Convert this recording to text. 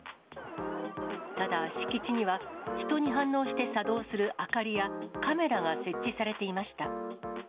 ただ敷地には、人に反応して作動する明かりや、カメラが設置されていました。